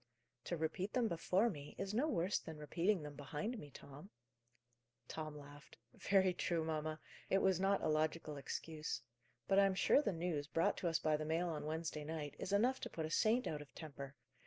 "To repeat them before me is no worse than repeating them behind me, Tom." Tom laughed. "Very true, mamma. It was not a logical excuse. But I am sure the news, brought to us by the mail on Wednesday night, is enough to put a saint out of temper.